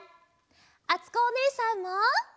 あつこおねえさんも！